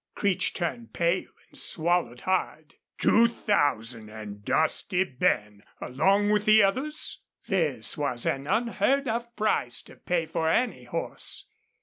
Creech turned pale and swallowed hard. "Two thousand an' Dusty Ben along with the others?" This was an unheard of price to pay for any horse.